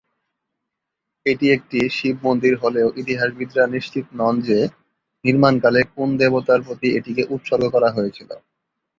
এটি একটি শিব মন্দির হলেও ইতিহাসবিদরা নিশ্চিত নন যে নির্মাণকালে কোন দেবতার প্রতি এটিকে উৎসর্গ করা হয়েছিল।